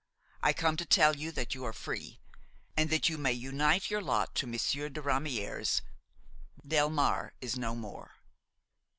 I come to tell you that you are free and that you may unite your lot to Monsieur de Ramière's. Delmare is no more."